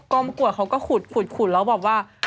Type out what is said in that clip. กองประกวดเขาก็ขุดแล้วบอกว่า